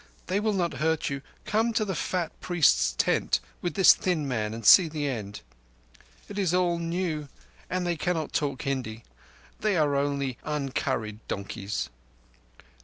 They will not hurt you. Come to the fat priest's tent with this thin man and see the end. It is all new, and they cannot talk Hindi. They are only uncurried donkeys."